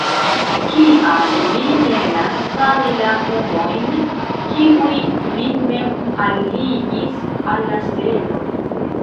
Kial vi penas savi la homojn, kiuj vin mem alligis al la selo?